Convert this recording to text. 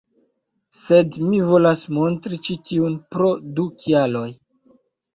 Sed mi volas montri ĉi tiun pro du kialoj